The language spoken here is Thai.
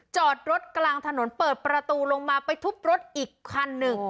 จอดรถกลางถนนเปิดประตูลงมาไปทุบรถอีกคันหนึ่ง